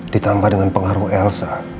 ditambah dengan pengaruh elsa